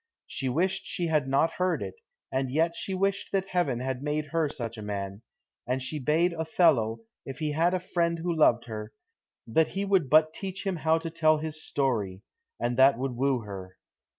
She wished she had not heard it, and yet she wished that heaven had made her such a man; and she bade Othello, if he had a friend who loved her, that he would but teach him how to tell his story, and that would woo her.